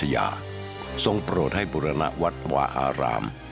สมัยอายุธยาทรงโปรดให้บุรณวัฒน์วาอาราม